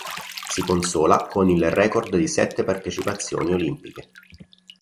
Si consola con il record di sette partecipazioni olimpiche.